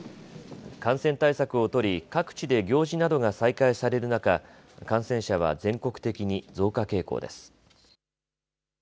感染対策を取り各地で行事などが再開される中、感染者は全国的に増加傾向です。